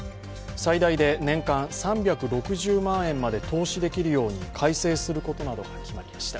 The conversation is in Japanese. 最大で年間３６０万円まで投資できるように改正することなどが決まりました。